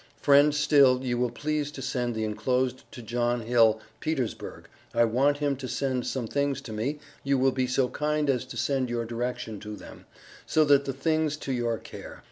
Friend Still you will please to send the enclosed to John Hill Petersburg I want him to send some things to me you will be so kind as to send your direction to them, so that the things to your care.